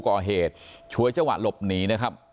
ก่อเหตุชวยจังหวะหลบหนีนะครับ